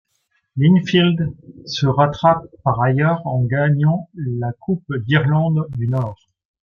Linfield se rattrape par ailleurs en gagnant la Coupe d’Irlande du Nord.